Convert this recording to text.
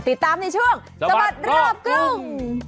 ติดตามในช่วงสมัครรอบกลุ่ม